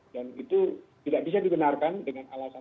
dan itu tidak bisa dibenarkan dengan alasan